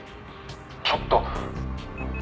「ちょっと！」